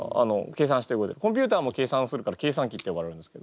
コンピューターも計算するから計算機って呼ばれるんですけど。